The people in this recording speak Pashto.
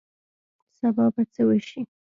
سبا به څه وشي